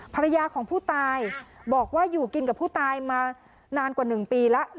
ภรรยาของผู้ตายบอกว่าอยู่กินกับผู้ตายมานานกว่า๑ปีแล้ว